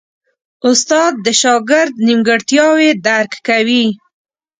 استاد د شاګرد نیمګړتیاوې درک کوي.